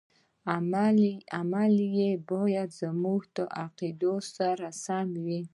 عمل یې باید زموږ له عقایدو سره سم وي.